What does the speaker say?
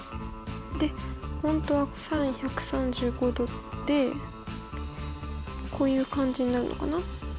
で本当はｓｉｎ１３５°でこういう感じになるのかな？